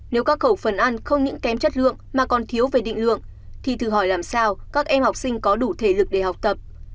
nếu các khẩu phần ăn không những kém chất lượng mà còn thiếu về định lượng thì thử hỏi làm sao các em học sinh có đủ thể lực để học tập